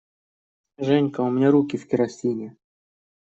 Женька, у меня руки в керосине!